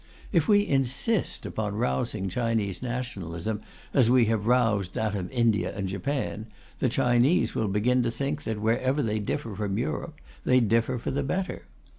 If we insist upon rousing Chinese nationalism as we have roused that of India and Japan, the Chinese will begin to think that wherever they differ from Europe, they differ for the better.